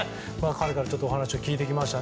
彼からお話を聞いてきました。